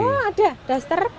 oh ada daster